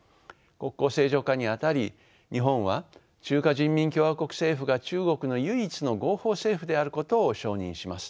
国交正常化にあたり日本は中華人民共和国政府が中国の唯一の合法政府であることを承認します。